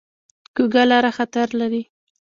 کوږه لاره خطر لري